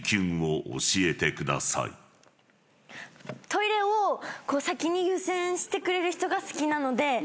トイレを先に優先してくれる人が好きなので。